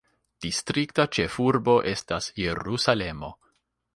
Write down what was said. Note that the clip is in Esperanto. Distrikta ĉefurbo estas Jerusalemo.